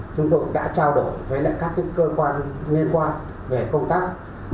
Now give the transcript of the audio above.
chúng tôi cũng đã trao đổi với các cơ quan liên quan về công tác